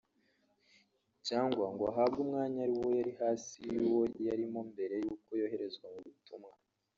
cyangwa ngo ahabwe umwanya uri hasi y’uwo yarimo mbere y’uko yoherezwa mu butumwa